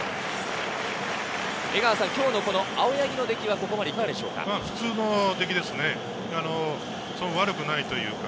江川さん、青柳の出来はここまでいかがですか？